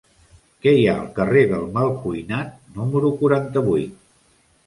Què hi ha al carrer del Malcuinat número quaranta-vuit?